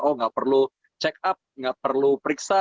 oh nggak perlu check up nggak perlu periksa